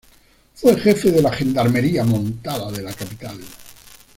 Fue jefe de la Gendarmería Montada de la capital.